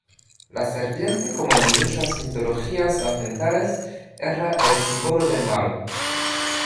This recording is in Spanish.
La serpiente, como en muchas mitologías orientales, era el símbolo del mal.